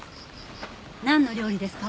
なんの料理ですか？